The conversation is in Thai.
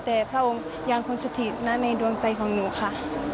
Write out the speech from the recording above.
แต่พระองค์ยังคุณสถิตนะในดวงใจของหนูค่ะ